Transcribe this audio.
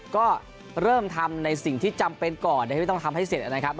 ก็เริ่มทำในสิ่งที่จำเป็นก่อนที่ไม่ต้องทำให้เสร็จนะครับ